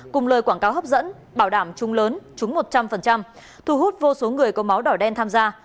cùng lời quảng cáo hấp dẫn bảo đảm trung lớn trúng một trăm linh thu hút vô số người có máu đỏ đen tham gia